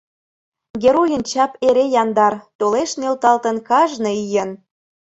Геройын чап эре яндар, Толеш нӧлталтын кажне ийын!..